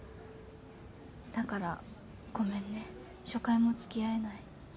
だからごめんね初回もつきあえない。